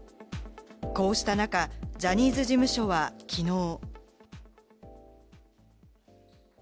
こうした中、ジャニーズ事務所は、きのう。